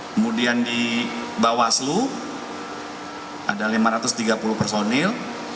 kemudian di bawaslu ada lima ratus tiga puluh personil